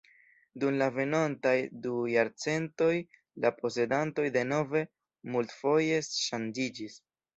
Dum la venontaj du jarcentoj la posedantoj denove multfoje ŝanĝiĝis.